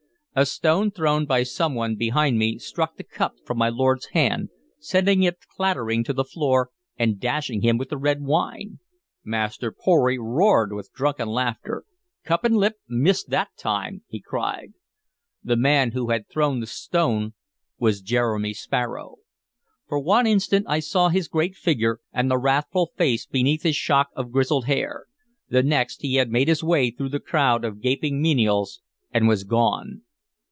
A stone thrown by some one behind me struck the cup from my lord's hand, sending it clattering to the floor and dashing him with the red wine. Master Pory roared with drunken laughter. "Cup and lip missed that time!" he cried. The man who had thrown the stone was Jeremy Sparrow. For one instant I saw his great figure, and the wrathful face beneath his shock of grizzled hair; the next he had made his way through the crowd of gaping menials and was gone.